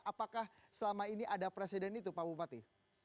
apakah selama ini ada presiden itu pak bupati